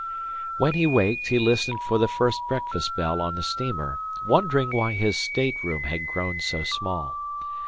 When he waked he listened for the first breakfast bell on the steamer, wondering why his state room had grown so small.